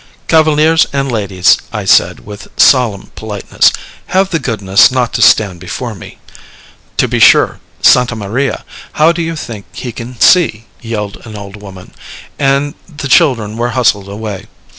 "Cavaliers and ladies," I said, with solemn politeness, "have the goodness not to stand before me." "To be sure! Santa Maria! How do you think he can see?" yelled an old woman, and the children were hustled away.